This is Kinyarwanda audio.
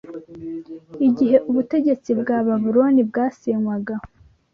igihe ubutegetsi bwa Babuloni bwasenywaga